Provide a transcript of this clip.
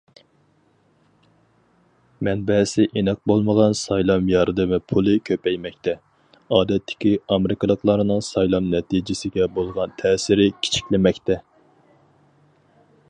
مەنبەسى ئېنىق بولمىغان سايلام ياردىمى پۇلى كۆپەيمەكتە، ئادەتتىكى ئامېرىكىلىقلارنىڭ سايلام نەتىجىسىگە بولغان تەسىرى كىچىكلىمەكتە.